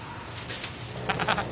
アハハハハ。